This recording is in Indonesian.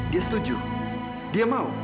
dia setuju dia mau